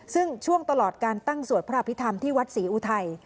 ซึ่งช่วงตลอดการตั้งสวดพระอภิษฐรรมที่วัดศรีอุทัย